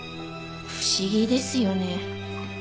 不思議ですよね。